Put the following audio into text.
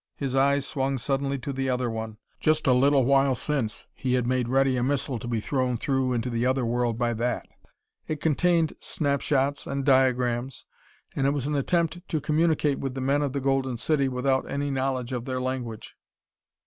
His eyes swung suddenly to the other one. Just a little while since he had made ready a missile to be thrown through into the other world by that. It contained snapshots, and diagrams, and it was an attempt to communicate with the men of the Golden City without any knowledge of their language.